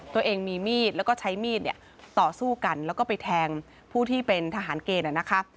ตัวเองมีมีดแล้วก็ใช้มีดเนี่ยต่อสู้กันแล้วก็ไปแทงผู้ที่เป็นทหารเกณฑ์นะคะ